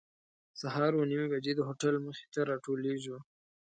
سهار اوه نیمې بجې د هوټل مخې ته راټولېږو.